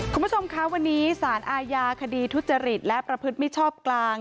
คุณผู้ชมคะวันนี้สารอาญาคดีทุจริตและประพฤติมิชชอบกลาง